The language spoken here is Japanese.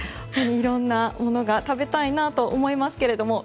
いろんなものが食べたいなと思いますけど。